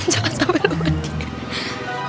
jangan sampai lupa